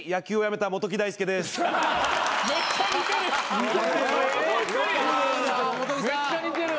めっちゃ似てる。